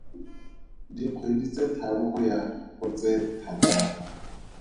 Dikgwedi tse tharo go ya go tse thataro.